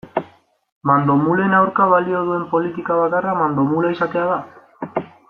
Mandomulen aurka balio duen politika bakarra mandomula izatea da?